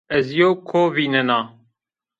Ez yew ko vînena